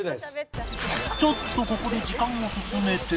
ちょっとここで時間を進めて